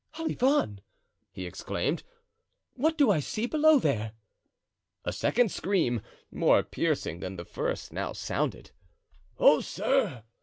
"Olivain!" he exclaimed, "what do I see below there?" A second scream, more piercing than the first, now sounded. "Oh, sir!"